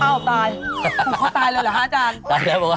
อะพร้อมตาย